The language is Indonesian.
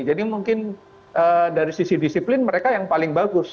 jadi mungkin dari sisi disiplin mereka yang paling bagus